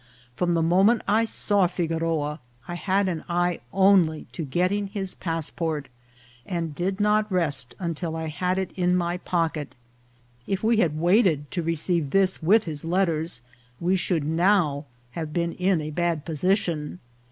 From the moment I saw Figoroa I had an eye only to getting his passport, and did not rest until I had it in my pocket. If we had waited to receive this with his letters, we should now have been in a bad position.